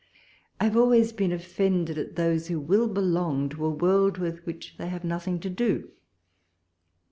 I have always been offended at those who will belong to a world with which they have nothing to do.